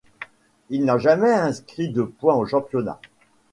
Il n'a jamais inscrit de point au championnat.